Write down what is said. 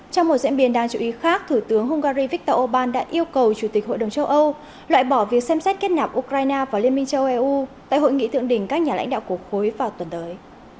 trong một diễn biến đáng chú ý khác thủ tướng hungary viktor orbán đã yêu cầu chủ tịch hội đồng châu âu loại bỏ việc xem xét kết nạp ukraine và liên minh châu âu eu tại hội nghị thượng đỉnh các nhà lãnh đạo của khối vào tuần tới